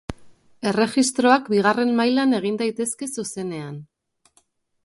Erregistroak bigarren mailan egin daitezke zuzenean.